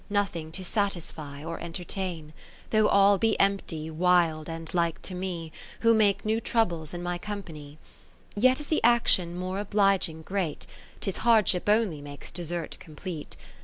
Nothing to satisfy or entertain ; Though all be empty, wild, and like to me, Who make new troubles in my company : Yet is the action more obliging great ; 'Tis Hardship only makes Desert complete.